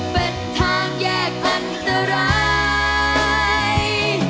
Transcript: เป็นทางแยกอันตราย